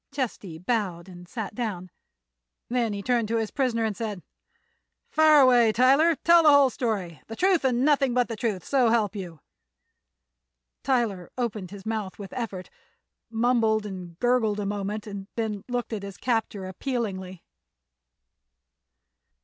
Chesty bowed and sat down. Then he turned to his prisoner and said: "Fire away, Tyler. Tell the whole story—the truth and nothing but the truth so help you." Tyler opened his mouth with effort, mumbled and gurgled a moment and then looked at his captor appealingly.